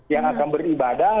yang akan beribadah